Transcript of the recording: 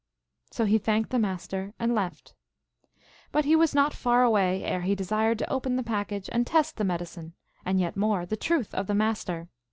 So he thanked the Mas ter, and left. But he was not far away ere he desired to open the package and test the medicine, and, yet more, the truth of the Master.